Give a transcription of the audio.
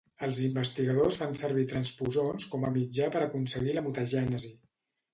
Els investigadors fan servir transposons com a mitjà per aconseguir la mutagènesi.